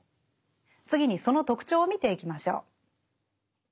次にその特徴を見ていきましょう。